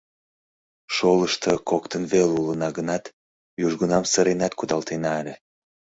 Шолышто коктын веле улына гынат, южгунам сыренат кудалтена ыле.